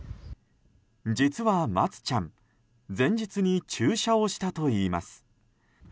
実は、まつちゃん前日に注射をしたといいます。